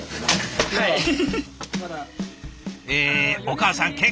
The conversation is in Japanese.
えお母さん